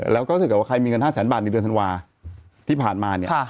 แล้วก็รู้สึกว่าใครมีเงิน๕๐๐บาทในเดือนธันวาค์ที่ผ่านมา